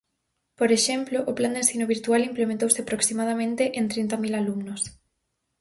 Por exemplo, o Plan de ensino virtual implementouse aproximadamente en trinta mil alumnos.